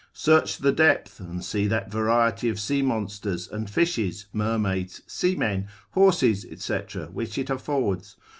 Search the depth, and see that variety of sea monsters and fishes, mermaids, seamen, horses, &c. which it affords.